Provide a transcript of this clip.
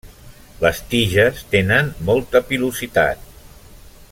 Les tiges tenen molta pilositat.